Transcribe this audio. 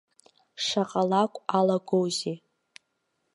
Шаҟа лакә алагозеи.